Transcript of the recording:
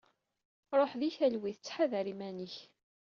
Ruḥ di talwit. Ttḥadar iman-ik.